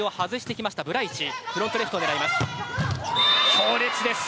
強烈です。